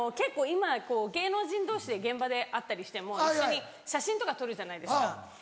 今こう芸能人同士で現場で会ったりしても一緒に写真とか撮るじゃないですか。